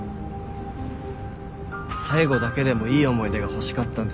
最後だけでもいい思い出が欲しかったんです。